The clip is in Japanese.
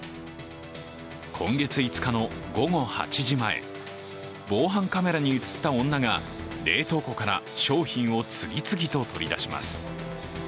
今月５日の午後８時前、防犯カメラに映った女が冷凍庫から商品を次々と取り出します。